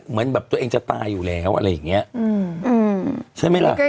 เหมือนแบบตัวเองจะตายอยู่แล้วอะไรอย่างนี้ใช่ไหมล่ะ